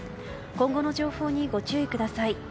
今後の情報にご注意ください。